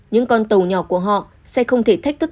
những con tàu nhỏ của họ sẽ không thể thách thức